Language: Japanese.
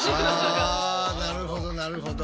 あなるほどなるほど。